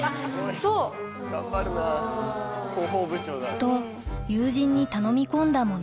と友人に頼み込んだもの